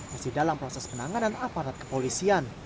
masih dalam proses penanganan aparat kepolisian